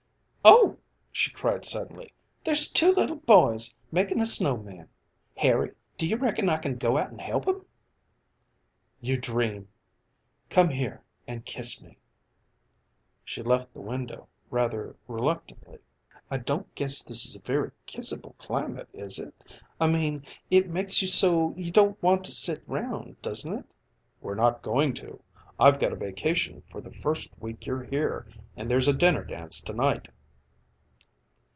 "Oh!" she cried suddenly. "There's two little boys makin' a snow man! Harry, do you reckon I can go out an' help 'em?" "You dream! Come here and kiss me." She left the window rather reluctantly. "I don't guess this is a very kissable climate, is it? I mean, it makes you so you don't want to sit round, doesn't it?" "We're not going to. I've got a vacation for the first week you're here, and there's a dinner dance to night."